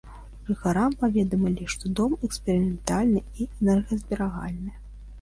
Жыхарам паведамілі, што дом эксперыментальны і энергазберагальны.